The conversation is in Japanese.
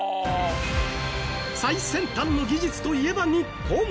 最先端の技術といえば日本